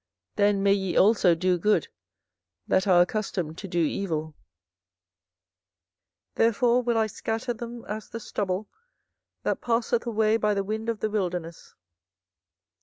then may ye also do good, that are accustomed to do evil. 24:013:024 Therefore will I scatter them as the stubble that passeth away by the wind of the wilderness.